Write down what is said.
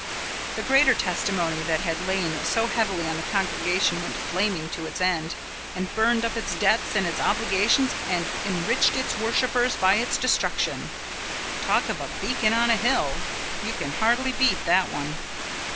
The Greater Testimony that had lain so heavily on the congregation went flaming to its end, and burned up its debts and its obligations and enriched its worshippers by its destruction. Talk of a beacon on a hill! You can hardly beat that one.